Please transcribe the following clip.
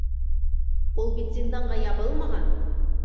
Ул бит зинданға ябылмаған!